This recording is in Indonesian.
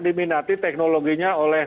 diminati teknologinya oleh